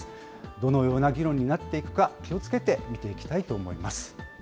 どのような議論になっていくか、気をつけて見ていきたいと思います。